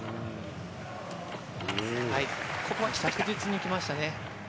ここは確実に来ましたね。